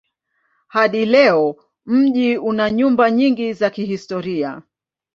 Hadi leo mji una nyumba nyingi za kihistoria.